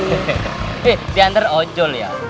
eh diantar ojol ya